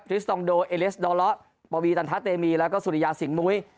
ริสตองโดเอเลสดอเลาะปวีตันทะเตมีแล้วก็สุริยาสิงหมุ้ย